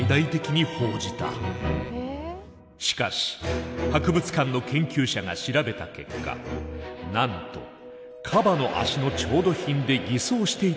しかし博物館の研究者が調べた結果なんとカバの足の調度品で偽装していたことが分かった。